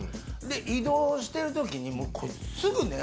移動してる時にこいつ。